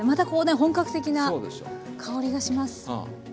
本格的な香りがします。